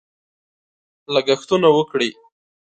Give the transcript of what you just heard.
لګښتونه وکړي.